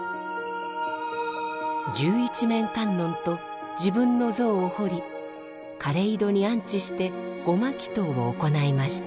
十一面観音と自分の像を彫りかれ井戸に安置して護摩祈祷を行いました。